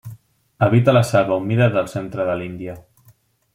Habita la selva humida del centre de l'Índia.